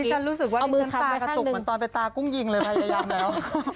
ฉันรู้สึกว่าเหมือนตากระตุกเหมือนตอนไปตากุ้งยิงเลยพยายามแล้ว